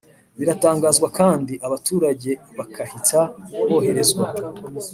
biratangazwa kandi abaturage bakahita boherezwa.